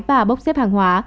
và bốc xếp hàng hóa